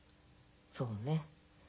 そうね。